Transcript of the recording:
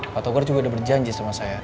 pak togor juga udah berjanji sama saya